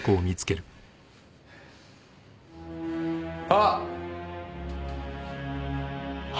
あっ。